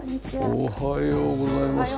おはようございます。